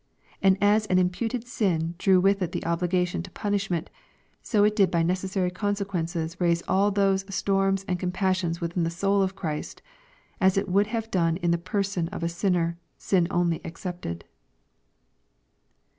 And as an imputed sin drew with it the obUgation to / punishment, so it did by necessary consequences raise all those ! storms and compassions in the soul of Christ, as it would have done in the person of a sinner, sin only excepted."